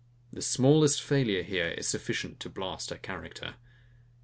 The smallest failure is here sufficient to blast her character.